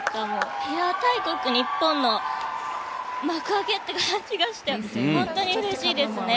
ペア大国・日本の幕開けって感じがして本当にうれしいですね。